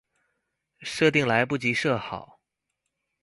設定來不及設好